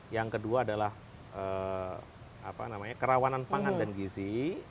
yang kedua adalah kerawanan pangan dan gizi